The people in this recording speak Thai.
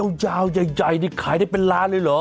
ยาวใหญ่นี่ขายได้เป็นล้านเลยเหรอ